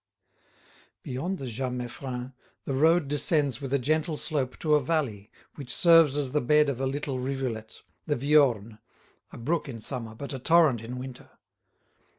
Beyond the Jas Meiffren the road descends with a gentle slope to a valley, which serves as the bed of a little rivulet, the Viorne, a brook in summer but a torrent in winter.